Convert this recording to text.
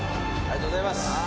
ありがとうございます。